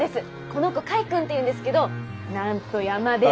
この子櫂くんっていうんですけどなんと山で。